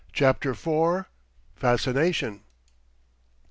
CHAPTER IV. FASCINATION.